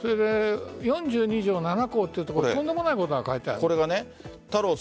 ４２条７項というところでとんでもないことが書いてある。